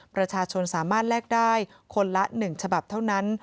ประชาชนสามารถแลกได้คนละ๑ฉบับเท่านั้น